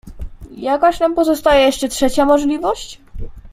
"Jakaż nam pozostaje jeszcze trzecia możliwość?"